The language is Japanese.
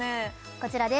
こちらです